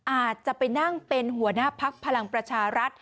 อาจจะไปนั่งเป็นหัวหน้าภักดิ์พลังประชาฤทธิ์